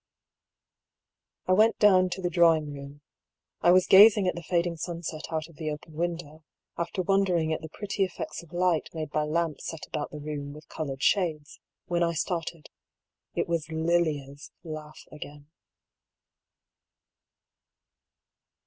I went down to the drawing room. I was gazing at the fading sunset out of the open window, after wonder ing at the pretty effects of light made by lamps set about the room with coloured shades, when I started — it was Lilians laugh again.